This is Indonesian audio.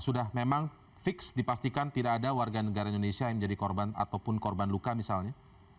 sudah memang fix dipastikan tidak ada warga negara indonesia yang menjadi korban ataupun korban luka misalnya